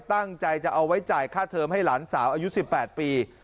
ตั้งใจจะเอาไว้จ่ายค่าเทิมให้หลานสาวอายุ๑๘ปี